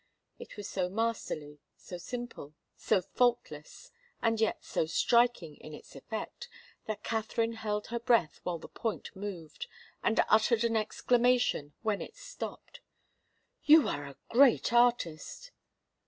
It was so masterly, so simple, so faultless, and yet so striking in its effect, that Katharine held her breath while the point moved, and uttered an exclamation when it stopped. "You are a great artist!"